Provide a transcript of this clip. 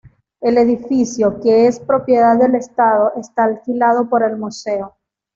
El edificio, que es propiedad del Estado, está alquilado por el museo.